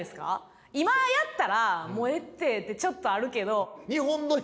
今やったら「もうええって」ってちょっとあるけど。